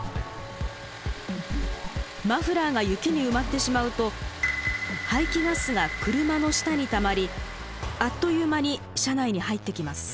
マフラーが雪に埋まってしまうと排気ガスが車の下にたまりあっという間に車内に入ってきます。